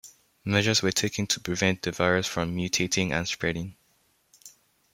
Measures were taken to prevent the virus from mutating and spreading.